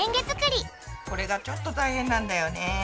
これがちょっと大変なんだよね。